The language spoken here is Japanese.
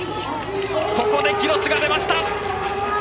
ここでキロスが出ました！